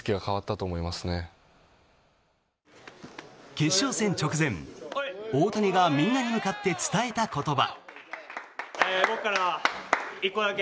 決勝戦直前、大谷がみんなに向かって伝えた言葉。